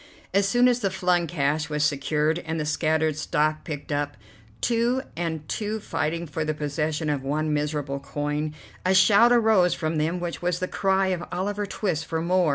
As soon as the flung cash was secured and the scattered stock picked up, two and two fighting for the possession of one miserable coin, a shout arose from them which was the cry of Oliver Twist for "more."